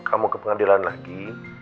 kamu ke pengadilan lagi